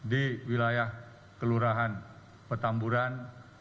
di wilayah kelurahan petamburan